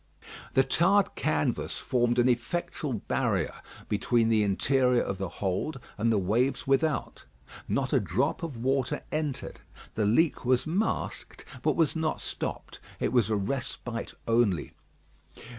The tarred canvas formed an effectual barrier between the interior of the hold and the waves without. Not a drop of water entered. The leak was masked, but was not stopped. It was a respite only.